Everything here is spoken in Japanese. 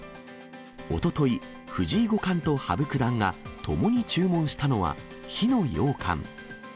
おととい、藤井五冠と羽生九段がともに注文したのは火の羊羹。